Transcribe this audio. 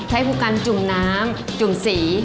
ให้ผู้กันจุ่มน้ำจุ่มสี